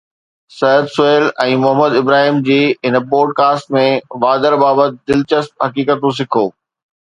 سعد سهيل ۽ محمد ابراهيم جي هن podcast ۾ وادر بابت دلچسپ حقيقتون سکو